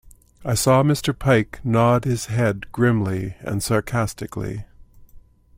I saw Mr Pike nod his head grimly and sarcastically.